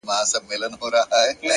نیک عمل د وجدان خوښي زیاتوي,